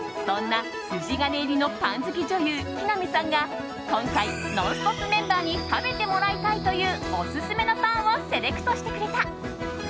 そんな筋金入りのパン好き女優木南さんが今回「ノンストップ！」メンバーに食べてもらいたいというオススメのパンをセレクトしてくれた。